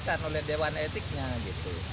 dicatat oleh dewan etiknya gitu